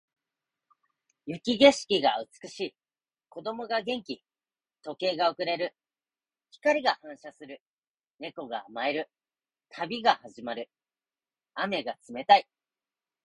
雪景色が美しい。子供が元気。時計が遅れる。光が反射する。猫が甘える。旅が始まる。雨が冷たい。